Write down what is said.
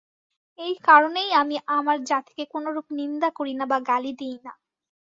এই কারণেই আমি আমার জাতিকে কোনরূপ নিন্দা করি না বা গালি দিই না।